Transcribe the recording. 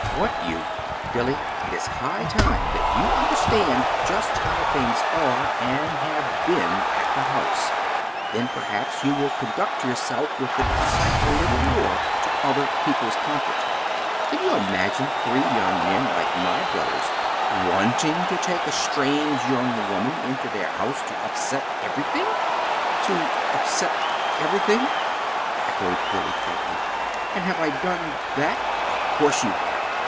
"Want you! Billy, it is high time that you understand just how things are, and have been, at the house; then perhaps you will conduct yourself with an eye a little more to other people's comfort. Can you imagine three young men like my brothers WANTING to take a strange young woman into their home to upset everything?" "To upset everything!" echoed Billy, faintly. "And have I done that?" "Of course you have!